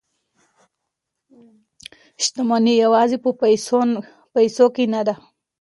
شتمني یوازې په پیسو کې نه ده.